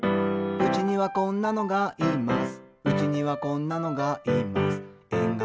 「うちにはこんなのがいます」